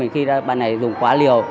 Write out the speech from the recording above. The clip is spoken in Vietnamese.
khi bạn này dùng quá liều